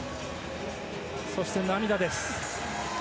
そして、涙です。